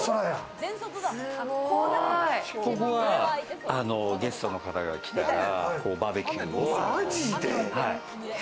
ここはゲストの方が来たらバーベキューを。